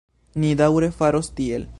Ni daŭre faros tiel.